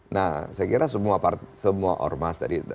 nah saya kira semua ormas tadi